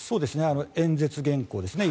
演説原稿ですね。